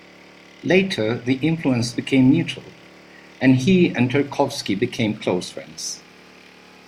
Later the influence became mutual, and he and Tarkovsky became close friends.